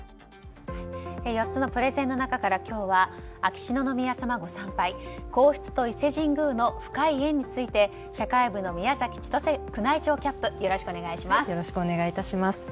４つのプレゼンの中から今日は秋篠宮さまご参拝皇室と伊勢神宮の深い縁について社会部の宮崎千歳宮内庁キャップよろしくお願い致します。